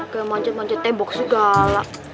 kayak manjat manjat tembok segala